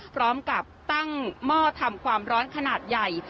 พร้อมกับตั้งหม้อทำความร้อนขนาดใหญ่